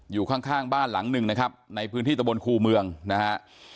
อยู่ข้างข้างบ้านหลังหนึ่งนะครับในพื้นที่ตะบนครูเมืองนะฮะ